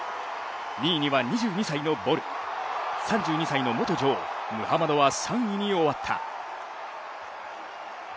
２位には２２歳のボル、３２歳の元女王ムハマドは３位に終わった。